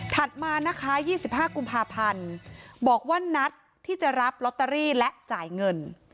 มานะคะ๒๕กุมภาพันธ์บอกว่านัดที่จะรับลอตเตอรี่และจ่ายเงิน